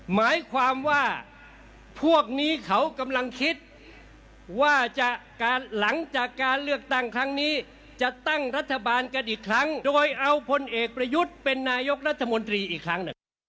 หมายความว่าพวกนี้เขากำลังคิดว่าจะการหลังจากการเลือกตั้งครั้งนี้จะตั้งรัฐบาลกันอีกครั้งโดยเอาพลเอกประยุทธ์เป็นนายกรัฐมนตรีอีกครั้งหนึ่ง